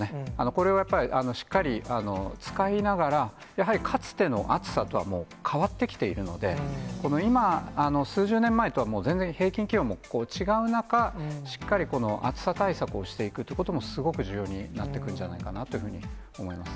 これはやっぱり、しっかり使いながら、やはりかつての暑さとはもう変わってきているので、今、数十年前とは全然平均気温も違う中、しっかりこの暑さ対策をしていくということもすごく重要になってくるんじゃないかなというふうに思います。